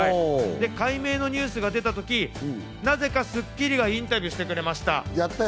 改名のニュースが出たときなぜか『スッキリ』がインタビューしてくれました。